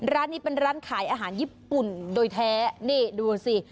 ร้านนี้เป็นร้านขายอาหารญี่ปุ่นโดยแท้นี่ดูสิ